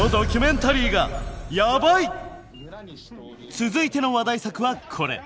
続いての話題作はこれ！